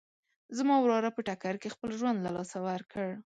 زما وراره په ټکر کې خپل ژوند له لاسه ورکړ